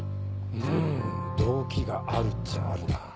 ん動機があるっちゃあるな。